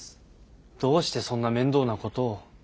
どうしてそんな面倒なことを？